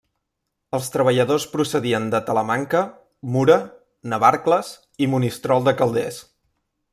Els treballadors procedien de Talamanca, Mura, Navarcles i Monistrol de Calders.